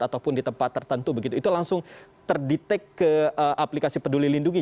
ataupun di tempat tertentu begitu itu langsung terdetek ke aplikasi peduli lindungi